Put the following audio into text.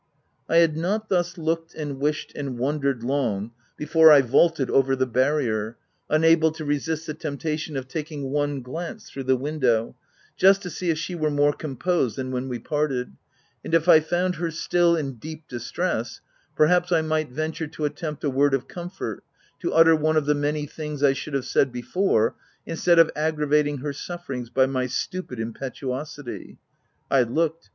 I had not thus looked, and wished, and won dered long, before I vaulted over the barrier, unable to resist the temptation of taking one glance through the window, just to see if she were more composed than when w r e parted ;— and if I found her still in deep distress, per haps I might venture to attempt a word of comfort — to utter one of the many things I should have said before, instead of aggravating her sufferings by my stupid impetuosity. I looked.